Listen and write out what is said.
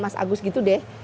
mas agus gitu deh